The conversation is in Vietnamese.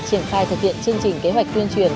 triển khai thực hiện chương trình kế hoạch tuyên truyền